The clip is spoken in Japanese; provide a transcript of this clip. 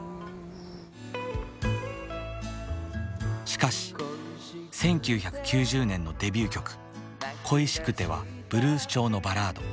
しかし１９９０年のデビュー曲「恋しくて」はブルース調のバラード。